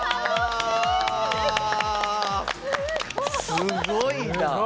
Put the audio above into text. すごいな。